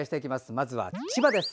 まずは千葉です。